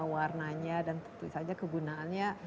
warnanya dan tentu saja kegunaannya